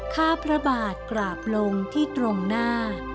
ข้าพระบาทกราบลงที่ตรงหน้า